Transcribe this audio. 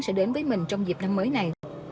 sẽ đến với mình trong dịp năm mới này